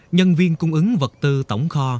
nhân viên cung ứng vật tư tổng kho